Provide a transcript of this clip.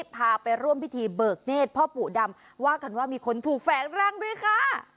พาไปร่วมพิธีเบิกเนธพ่อปู่ดำว่ากันว่ามีคนถูกแฝงร่างด้วยค่ะ